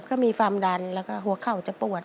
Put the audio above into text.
ก็มีความดันแล้วก็หัวเข่าจะปวด